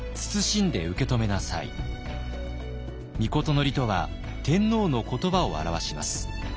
そして詔とは天皇の言葉を表します。